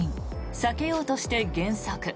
避けようとして減速。